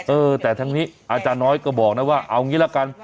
เออแต่ทั้งนี้อาจารย์น้อยก็บอกนะว่าเอางี้ละกัน